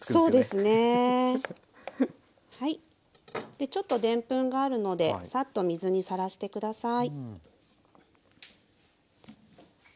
でちょっとでんぷんがあるのでサッと水にさらして下さい。